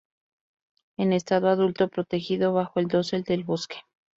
En estado adulto protegido bajo el dosel del bosque.